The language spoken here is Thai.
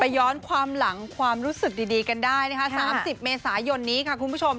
ย้อนความหลังความรู้สึกดีกันได้นะคะ๓๐เมษายนนี้ค่ะคุณผู้ชม